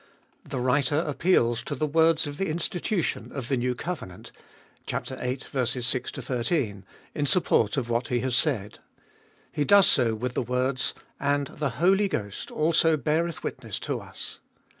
The writer appeals to the words of the institution of the new 348 Ebe Uoliest of covenant (viii. 6 13), in support of what he has said. He does so with the words, And the Holy Ghost also beareth witness to US.